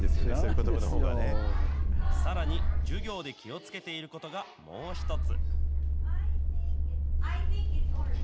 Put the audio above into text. さらに、授業で気をつけていることがもう一つ。